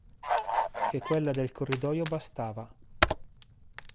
Ché quella del corridoio bastava.